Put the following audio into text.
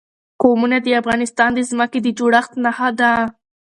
قومونه د افغانستان د ځمکې د جوړښت نښه ده.